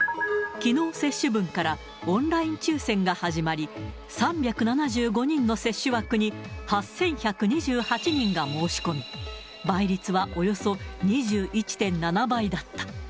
きのう接種分から、オンライン抽せんが始まり、３７５人の接種枠に、８１２８人が申し込み、倍率はおよそ２１．７倍だった。